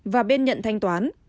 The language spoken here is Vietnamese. và bên nhận thanh toán